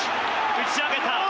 打ち上げた。